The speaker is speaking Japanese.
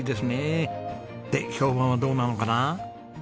で評判はどうなのかな？